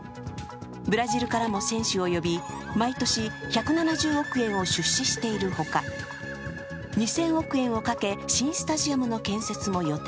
ブラジルからも選手を呼び毎年１７０億円を出資しているほか、２０００億円をかけ、新スタジアムの建設も予定。